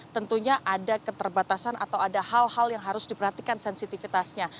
tentunya ada keterbatasan atau ada hal hal yang harus diperhatikan sensitivitasnya